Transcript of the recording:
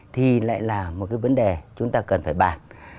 thì lại là một cái vấn đề chúng ta cần phải bàn